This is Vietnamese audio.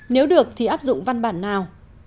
nếu được thì áp dụng văn bản nào